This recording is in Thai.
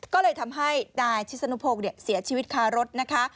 ก็เลยทำให้นายชิสนุพงศ์เสียชีวิตคารถนะคะ